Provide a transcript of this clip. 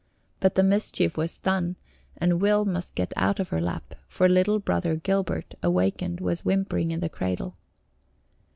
But the mischief was done and Will must get out of her lap, for little Brother Gilbert, awakened, was whimpering in the cradle.